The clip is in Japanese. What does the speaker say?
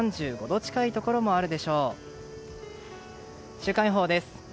週間予報です。